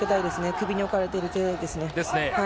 首に置かれている手です。